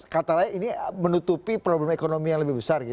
kata lain ini menutupi problem ekonomi yang lebih besar